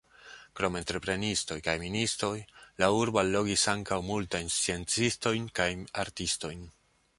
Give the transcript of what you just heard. Krom entreprenistoj kaj ministoj la urbo allogis ankaŭ multajn sciencistojn kaj artistojn.